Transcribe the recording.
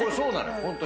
ホントに。